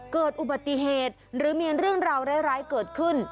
เกิดอุบัติเหตุหรือมีเรื่องราวร้ายเกิดขึ้น